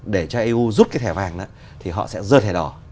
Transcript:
để cho eu rút cái thẻ vàng đó thì họ sẽ dơ thẻ đỏ